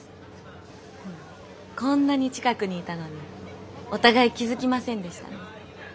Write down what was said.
こんなに近くにいたのにお互い気付きませんでしたね。